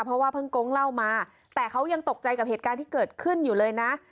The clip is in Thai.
เพราะว่าเพิ่งโก๊งเล่ามาแต่เขายังตกใจกับเหตุการณ์ที่เกิดขึ้นอยู่เลยนะ